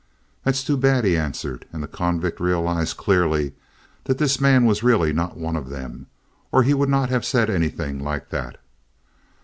"That's too bad," he answered; and the convict realized clearly that this man was really not one of them, or he would not have said anything like that.